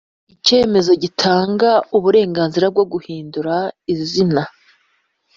icyemezo gitanga uburenganzira bwo guhindura izina